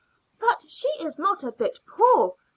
"But she is not a bit poor.